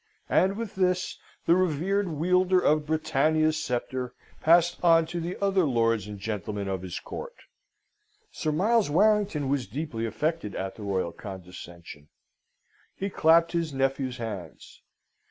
and with this, the revered wielder of Britannia's sceptre passed on to other lords and gentlemen of his court. Sir Miles Warrington was deeply affected at the royal condescension. He clapped his nephew's hands.